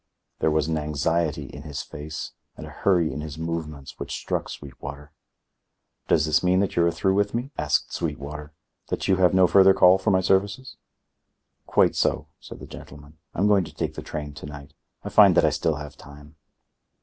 There was an anxiety in his face and a hurry in his movements which struck Sweetwater. "Does this mean that you are through with me?" asked Sweetwater. "That you have no further call for my services?" "Quite so," said the gentleman. "I'm going to take the train to night. I find that I still have time."